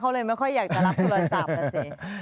เขาเลยไม่ค่อยอยากจะรับโทรศัพท์นะสิ